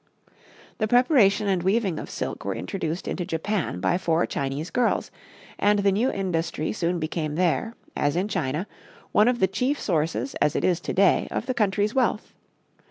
The preparation and weaving of silk were introduced into Japan by four Chinese girls, and the new industry soon became there, as in China, one of the chief sources, as it is to day, of the country's wealth.